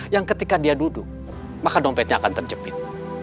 yang ketika dia duduk maka dompetnya akan terjepit